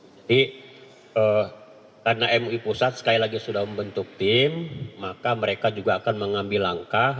jadi karena mui pusat sekali lagi sudah membentuk tim maka mereka juga akan mengambil langkah